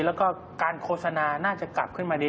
แล้วก็การโฆษณาน่าจะกลับขึ้นมาดี